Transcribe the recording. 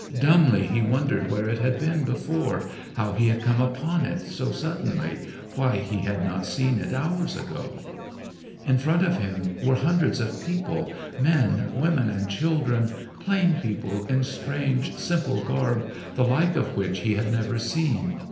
Dumbly he wondered where it had been before, how he had come upon it so suddenly, why he had not seen it hours ago. In front of him were hundreds of people, men, women, and children, plain people in strange simple garb, the like of which he had never seen.